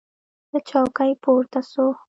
له چوکۍ پورته سو.